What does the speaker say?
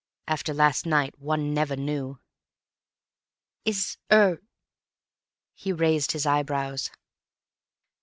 After last night one never knew. "Is—er——" He raised his eyebrows.